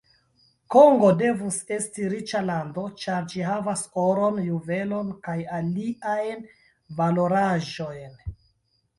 Kongo devus esti riĉa lando, ĉar ĝi havas oron, juvelojn kaj aliajn valoraĵojn.